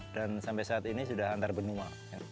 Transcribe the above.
dan sampai saat ini saya sudah antar benua